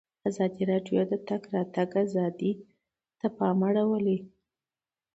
ازادي راډیو د د تګ راتګ ازادي ته پام اړولی.